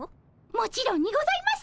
もちろんにございます！